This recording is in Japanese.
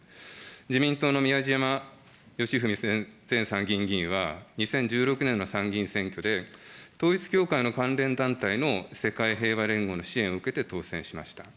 自民党の宮島喜文前参議院議員は、２０１６年の参議院選挙で、統一教会の関連団体の世界平和連合の支援を受けて当選しました。